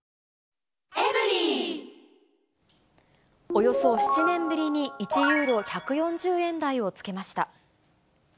およそ７年ぶりに１ユーロ１４０円台をつけました。